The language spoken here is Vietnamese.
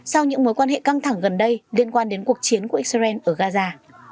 sau những mối quan hệ căng thẳng gần đây liên quan đến cuộc chiến của israel ở gaza